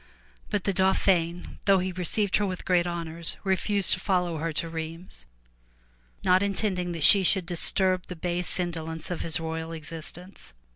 But the Dauphin though he received her with great honors, refused to follow her to Rheims, not intending that she should disturb the base indo lence of his royal existence.